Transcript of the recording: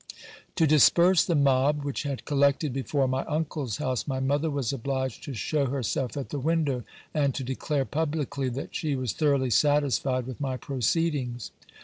To disperse the mob which had collected before my uncle's house, my mother was obliged to shew herself at the window, and to declare publicly, that she was thoroughly satisfied with my proceedings.